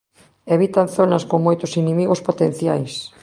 Evitan zonas con moitos inimigos potenciais.